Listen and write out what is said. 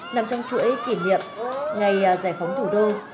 nằm trong chuỗi kỷ niệm ngày giải phóng thủ đô